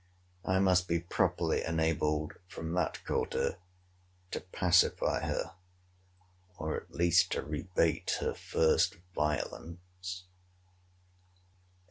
I must be properly enabled, from that quarter, to pacify her, or, at least, to rebate her first violence.